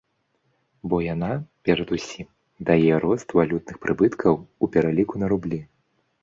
Бо яна, перад усім, дае рост валютных прыбыткаў у пераліку на рублі.